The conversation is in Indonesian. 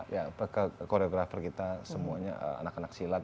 ya koreografer kita semuanya anak anak silat